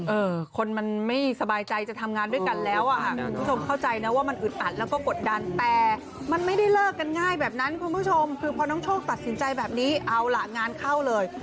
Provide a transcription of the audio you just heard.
เออคนมันไม่สบายใจจะทำงานด้วยกันแล้วอ่ะค่ะคุณผู้ชมเข้าใจนะว่ามันอึดอัดแล้วก็กดดันแต่มันไม่ได้เลิกกันง่ายแบบนั้นคุณผู้ชมคือพอน้องโชคตัดสินใจแบบนี้เอาล่ะงานเข้าเลย